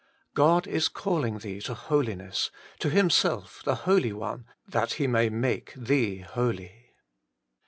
God is calling thee to Holiness, to Himself the Holy One, that He may make thee holy.